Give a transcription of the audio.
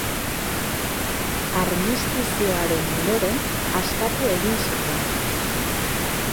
Armistizioaren ondoren, askatu egin zuten.